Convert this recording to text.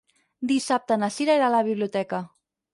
Dissabte na Sira irà a la biblioteca.